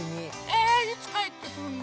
えいつかえってくるの？